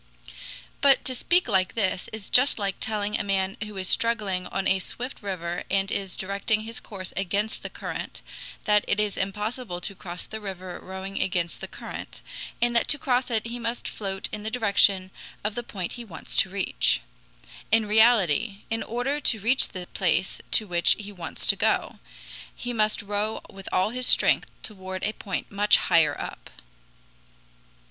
But to speak like this is just like telling a man who is struggling on a swift river and is directing his course against the current, that it is impossible to cross the river rowing against the current, and that to cross it he must float in the direction of the point he wants to reach. In reality, in order to reach the place to which he wants to go, he must row with all his strength toward a point much higher up.